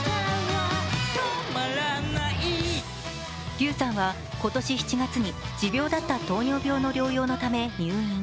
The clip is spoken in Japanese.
笠さんは今年７月に持病だった糖尿病の療養で入院。